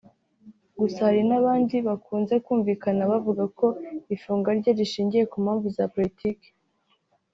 gusa hari abandi bakunze kumvikana bavuga ko ifungwa rye rishingiye ku mpamvu za politiki